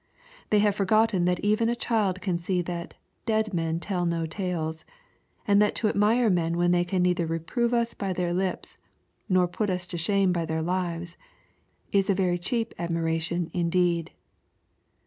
They have forgotten that even a child can see that " dead men tell no tales," and that to admire men when they can neither reprove us by their lips, nor put us to shame by their lives, is a very cheap admiration indeed.